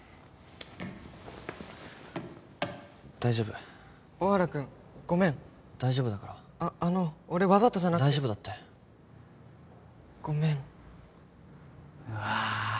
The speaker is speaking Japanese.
大丈夫大原君ごめん大丈夫だからああの俺わざとじゃなくて大丈夫だってごめんうわ